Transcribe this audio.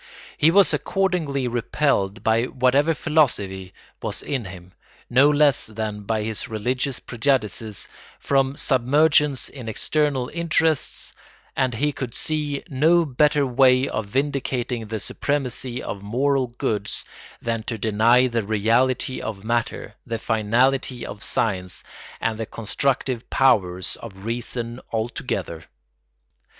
He was accordingly repelled by whatever philosophy was in him, no less than by his religious prejudices, from submergence in external interests, and he could see no better way of vindicating the supremacy of moral goods than to deny the reality of matter, the finality of science, and the constructive powers of reason altogether.